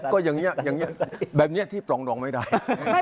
ก็อย่างนี้แบบนี้ที่ปล่องดองไม่ได้